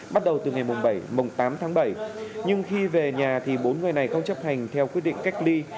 bắt đầu từ ngày mùng bảy tám tháng bảy nhưng khi về nhà thì bốn người này không chấp hành theo quyết định cách ly